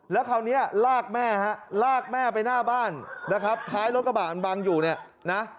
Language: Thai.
แล้วคราวนี้ลากแม่ฮะลากแม่ไปหน้าบ้านนะครับท้ายรถกระบะมันบังอยู่เนี่ยนะ